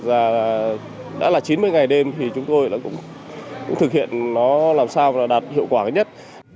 là đã là chín mươi ngày đêm thì chúng tôi cũng thực hiện nó làm sao đạt hiệu quả nhất